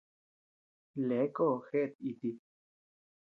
Leeko jeʼet iti.